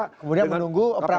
kemudian menunggu prakadilan